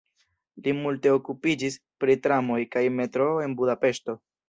Li multe okupiĝis pri tramoj kaj metroo en Budapeŝto.